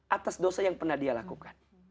atas dosa yang pernah dia lakukan